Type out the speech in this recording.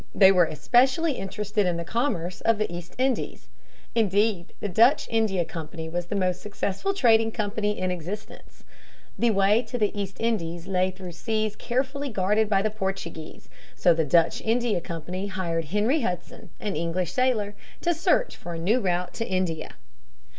They were especially interested in the commerce of the East Indies. Indeed, the Dutch India Company was the most successful trading company in existence. The way to the East Indies lay through seas carefully guarded by the Portuguese, so the Dutch India Company hired Henry Hudson, an English sailor, to search for a new route to India.